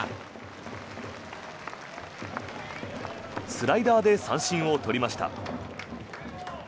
スライダーで三振を取りました。